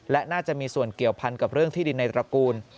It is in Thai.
และน่าจะมีส่วนเกี่ยวพันกับเรื่องที่ดินในตระกูล